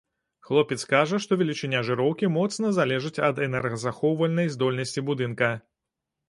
Хлопец кажа, што велічыня жыроўкі моцна залежыць ад энергазахоўвальнай здольнасці будынка.